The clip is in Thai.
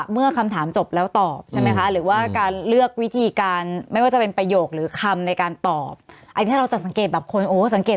มันคำถามต้องแล้วตอบนังคารหรือว่าการเลือกวิธีการไม่พูดเภรภัยโหคหรือคำในการตอบไอ้เราจะสังเกตดับคนสังเกต